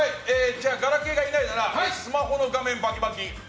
ガラケーがいないならスマホの画面バキバキ。